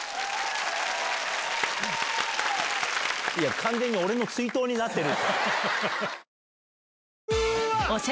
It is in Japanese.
完全に俺の追悼になってる。